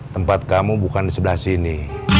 tempat kamu bukan di sebelah sini